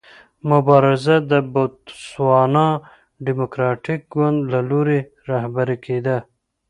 مبارزه د بوتسوانا ډیموکراټیک ګوند له لوري رهبري کېده.